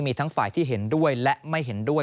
มีทั้งฝ่ายที่เห็นด้วยและไม่เห็นด้วย